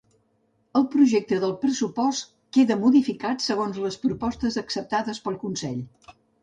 El projecte de pressupost queda modificat segons les propostes acceptades pel Consell.